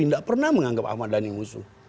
tidak pernah menganggap ahmad dhani musuh